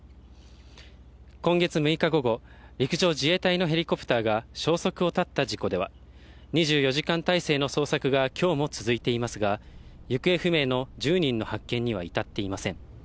今月６日午後、陸上自衛隊のヘリコプターが消息を絶った事故では、２４時間態勢の捜索が今日も続いていますが、行方不明の１０人の発見には至っていません。